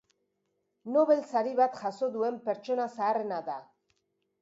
Nobel sari bat jaso duen pertsona zaharrena da.